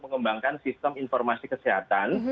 mengembangkan sistem informasi kesehatan